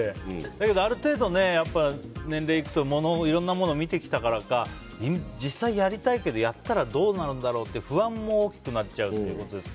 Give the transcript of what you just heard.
だけどある程度、年齢がいくといろんなものを見てきたからか実際やりたいけどやったらどうなるとか不安も大きくなると思います。